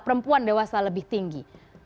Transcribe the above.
perempuan dewasa lebih tinggi